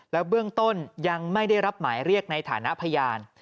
เบื้องต้นยังไม่ได้รับหมายเรียกในฐานะพยาน